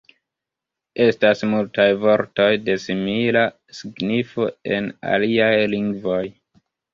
Estas multaj vortoj de simila signifo en aliaj lingvoj.